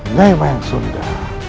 nyai mayang sunda